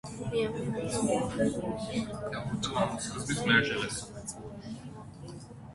Միամյա ընձյուղները մոխրականաչ են, հատվածավոր և երիկամաձև։